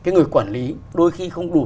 người quản lý đôi khi không đủ